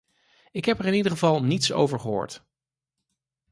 Ik heb er in ieder geval niets over gehoord.